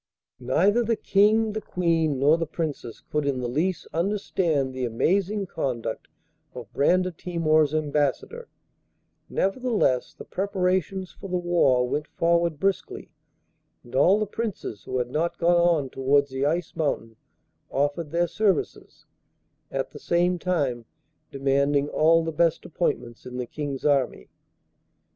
Neither the King, the Queen, nor the Princess could in the least understand the amazing conduct of Brandatimor's Ambassador; nevertheless the preparations for the war went forward briskly and all the Princes who had not gone on towards the Ice Mountain offered their services, at the same time demanding all the best appointments in the King's army.